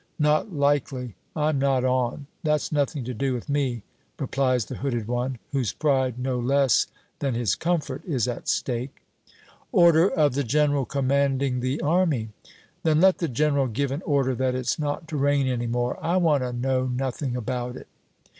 "Not likely! I'm not on. That's nothing to do with me," replies the hooded one, whose pride no less than his comfort is at stake. "Order of the General Commanding the Army." "Then let the General give an order that it's not to rain any more. I want to know nothing about it."